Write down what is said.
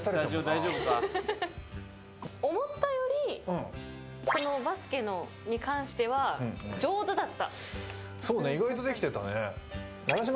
思ったよりバスケに関しては上手だった。